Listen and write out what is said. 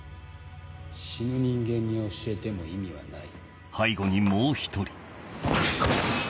死ぬ人間に教えても意味はない。